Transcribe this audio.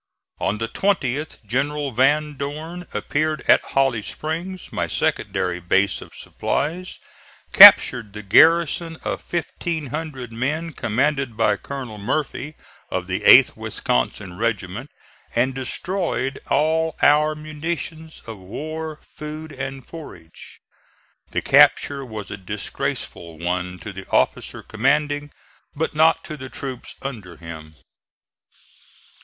On the 20th General Van Dorn appeared at Holly Springs, my secondary base of supplies, captured the garrison of 1,500 men commanded by Colonel Murphy, of the 8th Wisconsin regiment, and destroyed all our munitions of war, food and forage. The capture was a disgraceful one to the officer commanding but not to the troops under him.